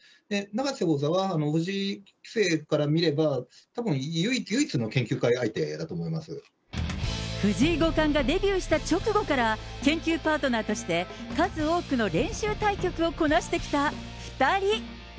永瀬王座は藤井棋聖から見れば、たぶん、唯一の研究会相手だと思藤井五冠がデビューした直後から、研究パートナーとして、数多くの練習対局をこなしてきた２人。